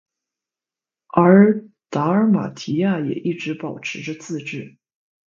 而达尔马提亚也一直保持着自治。